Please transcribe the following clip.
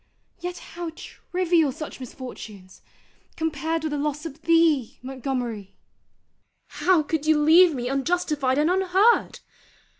Yet how trivial such misfortunes, compared with the loss of thee, Montgomery! How could you leave me unjustified and unheard?